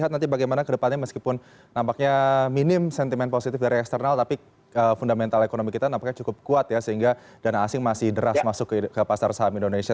nanti bagaimana kedepannya meskipun nampaknya minim sentimen positif dari eksternal tapi fundamental ekonomi kita nampaknya cukup kuat ya sehingga dana asing masih deras masuk ke pasar saham indonesia